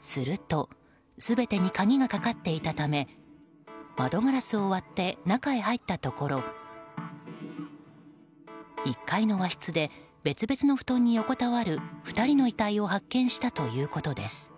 すると全てに鍵がかかっていたため窓ガラスを割って中に入ったところ１階の和室で別々の布団に横たわる２人の遺体を発見したということです。